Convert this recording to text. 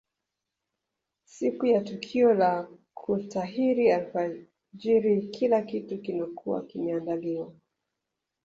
Siku ya tukio la kutahiri alfajiri kila kitu kinakuwa kimeandaliwa